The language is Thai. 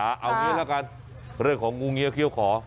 เอาอย่างนี้แล้วกันเรื่องของงูเงียเขี้ยวขอ